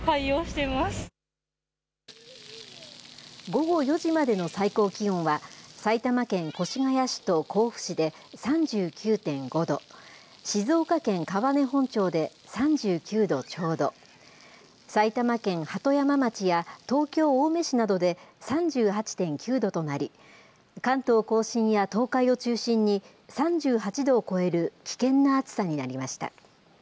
午後４時までの最高気温は、埼玉県越谷市と甲府市で３９．５度、静岡県川根本町で３９度ちょうど、埼玉県鳩山町や東京・青梅市などで３８．９度となり、関東甲信や東海を中心に、３８度を超える危険な暑さになりました。